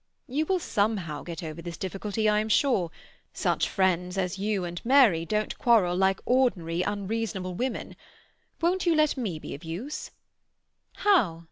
"You will somehow get over this difficulty, I am sure. Such friends as you and Mary don't quarrel like ordinary unreasonable women. Won't you let me be of use?" "How?"